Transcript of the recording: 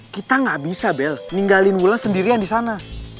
kita gak bisa bel ninggalin wulan sendirian disana